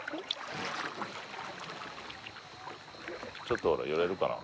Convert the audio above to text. ちょっと寄れるかな？